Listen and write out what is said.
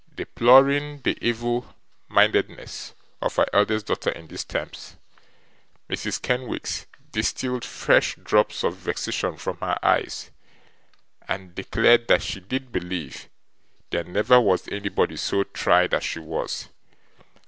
Deploring the evil mindedness of her eldest daughter in these terms, Mrs Kenwigs distilled fresh drops of vexation from her eyes, and declared that she did believe there never was anybody so tried as she was.